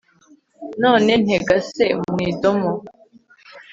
None ntengase mu idoma